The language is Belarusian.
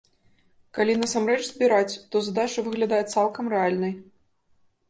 Калі насамрэч збіраць, то задача выглядае цалкам рэальнай.